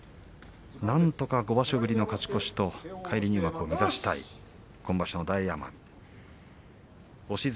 なんとか５場所ぶりの勝ち越しと返り入幕を目指したい今場所の大奄美。